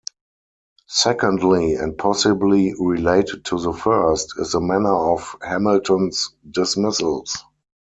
Secondly, and possibly related to the first, is the manner of Hamilton's dismissals.